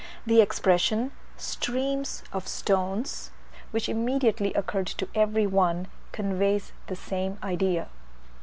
The expression "streams of stones," which immediately occurred to every one, conveys the same idea.